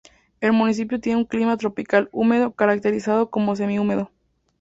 El municipio tiene un clima tropical húmedo, caracterizado como semi-húmedo.